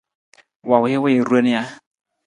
Wa wii wii ron ja?